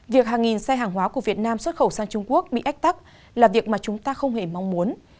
việc hàng nghìn xe hàng hóa của việt nam xuất khẩu sang trung quốc bị ách tắc là việc mà chúng ta không hề mong muốn